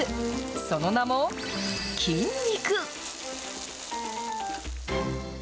その名も、菌肉。